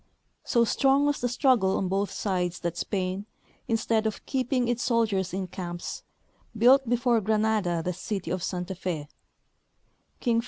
So strong was the struggle on both sides that Spain, instead of keeping its soldiers in camps, built before Granada the city of Santa Fe.